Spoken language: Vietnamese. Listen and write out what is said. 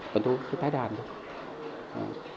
bọn tôi cứ tái đàn thôi